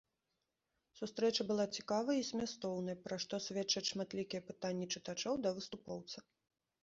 Сустрэча была цікавай і змястоўнай, пра што сведчаць шматлікія пытанні чытачоў да выступоўца.